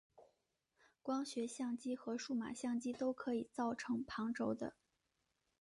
光学相机和数码相机都可以造成旁轴的。